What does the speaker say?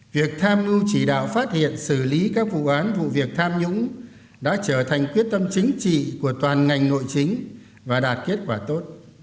việc tham mưu chỉ đạo phát hiện xử lý các vụ án vụ việc tham nhũng đã trở thành quyết tâm chính trị của toàn ngành nội chính và đạt kết quả tốt